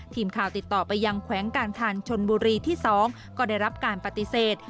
ทีมข่าวติดต่อไปยังแขวงการทันชนบุรีที่๒ก็ได้รับการปฏิเสธ